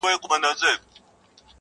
اوس هره شپه خوب کي بلا وينمه.